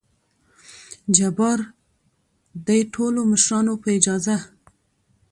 جبار : دې ټولو مشرانو په اجازه!